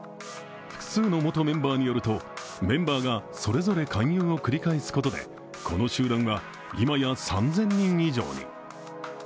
複数の元メンバーによると、メンバーがそれぞれ勧誘を繰り返すことで、この集団は今や３０００人以上に。